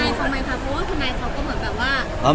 เพราะว่าทนายเขาก็เหมือนแบบว่า